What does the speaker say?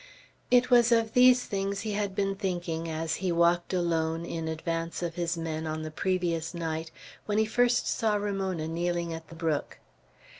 It was of these things he had been thinking as be walked alone, in advance of his men, on the previous night, when he first saw Ramona kneeling at the brook.